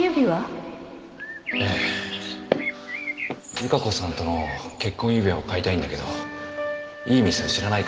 「由加子さんとの結婚指輪を買いたいんだけどいい店を知らないか？」